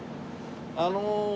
あの。